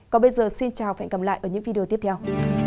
còn bây giờ xin chào và hẹn gặp lại ở những video tiếp theo